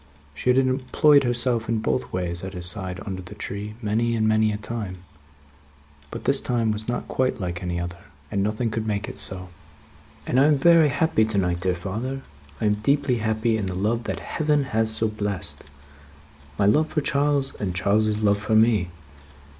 She had employed herself in both ways, at his side under the tree, many and many a time; but, this time was not quite like any other, and nothing could make it so. "And I am very happy to night, dear father. I am deeply happy in the love that Heaven has so blessed my love for Charles, and Charles's love for me.